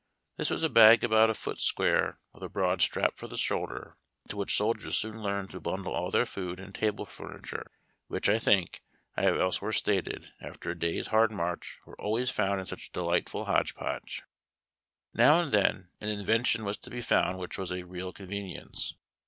This was a bag about a foot sqnare, with a broad strap for the shoulder, into which sol diers soon learned to bundle all their food and table fur niture, which, I think I have elsewhere stated, after a day's hard march were always found in such a delightful hodge podge. Now and then an invention was to be found which was a real convenience.